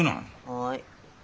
はい。